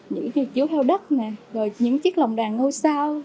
những chiếu theo đất nè rồi những chiếc lồng đàn ngô sao